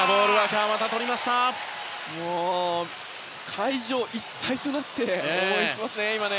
会場、一体となって応援していますね。